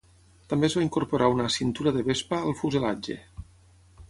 També es va incorporar una "cintura de vespa" al fuselatge.